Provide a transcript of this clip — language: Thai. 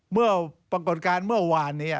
เมื่อปรากฏการณ์เมื่อวานนี้